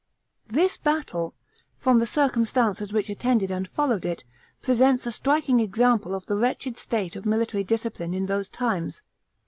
This battle, from the circumstances which attended and followed it, presents a striking example of the wretched state of military discipline in those times.